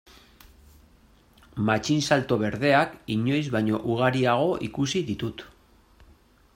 Matxinsalto berdeak inoiz baino ugariago ikusi ditut.